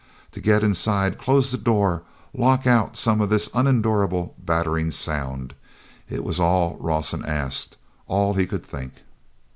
To get inside, close the door, lock out some of this unendurable, battering sound—it was all Rawson asked, all he could think.